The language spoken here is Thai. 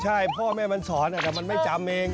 ใช่พ่อแม่มันสอนแต่มันไม่จำเอง